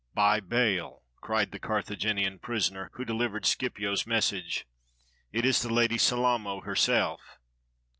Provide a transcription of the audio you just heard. "By Baal," cried the Carthaginian prisoner who dehvered Scipio's message, "it is the Lady Salamo herself."